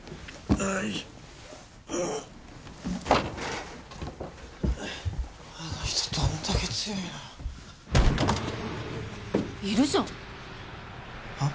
あの人どんだけ強いのよいるじゃんはっ？